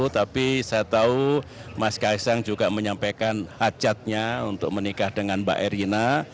tapi saya tahu mas kaisang juga menyampaikan hajatnya untuk menikah dengan mbak erina